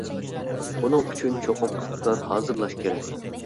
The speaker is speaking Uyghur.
بۇنىڭ ئۈچۈن چوقۇم ئىقتىدار ھازىرلاش كېرەك.